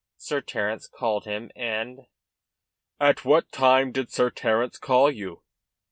Sir Terence called him, and "At what time did Sir Terence call you?"